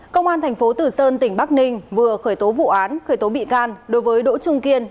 công an thành phố tử sơn tỉnh bắc ninh vừa khởi tố vụ án khởi tố bị can đối với đỗ trung kiên